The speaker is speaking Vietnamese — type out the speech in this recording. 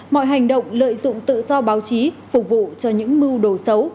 mọi hành động lợi dụng tự do báo chí phục vụ cho những mưu đồ xấu